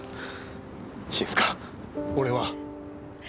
静香俺は。